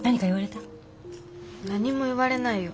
何も言われないよ。